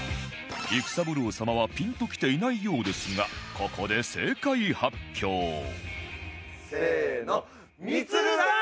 育三郎様はピンときていないようですがここで正解発表せーの。